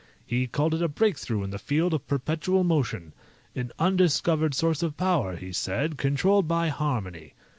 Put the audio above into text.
He called it a breakthrough in the field of perpetual motion. An undiscovered source of power, he said, controlled by harmony.